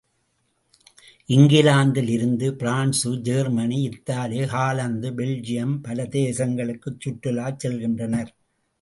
இங்கிலாந்தில் இருந்து France, Germany, Italy, Holland, Belgium பல தேசங்களுக்குச் சுற்றலாச் செல்கின்றனர்.